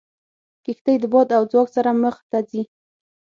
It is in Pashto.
کښتۍ د باد له ځواک سره مخ ته ځي.